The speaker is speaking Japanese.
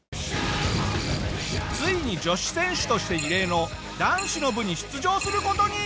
ついに女子選手として異例の男子の部に出場する事に。